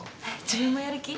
自分もやる気？